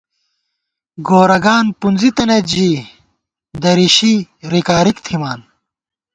گورَگان پُنزِی تنَئیت ژِی ، دَریشی رِکارِک تھمان